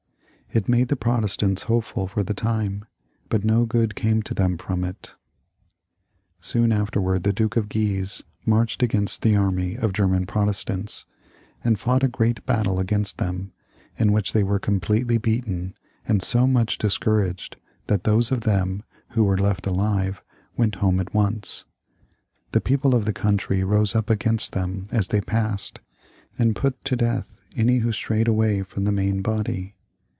It made the Protestants hopeful for the time, but no good came to them from it Soon after, the Duke of Guise marched against the army of German Protestants, and fought a great battle against them, in which they were completely beaten and so much discouraged that those of them who were left alive went away home at once. The people of the country rose up against them as they passed, and put to death any who strayed away from the main body.